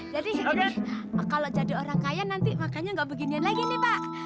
jadi kalau jadi orang kaya nanti makanya gak beginian lagi nih pak